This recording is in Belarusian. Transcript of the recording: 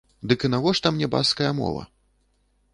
Дык і навошта мне баскская мова?